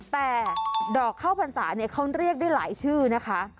แต่ดอกข้าวพรรษาเขาเรียกได้หลายชื่อนะคะ